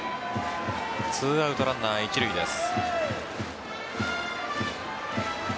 ２アウトランナー一塁です。